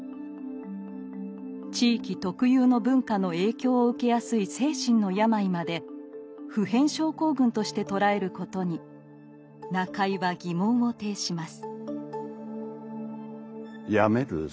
地域特有の文化の影響を受けやすい精神の病まで「普遍症候群」として捉えることに中井は疑問を呈します。